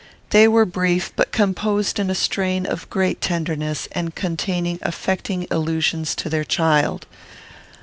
They were brief, but composed in a strain of great tenderness, and containing affecting allusions to their child.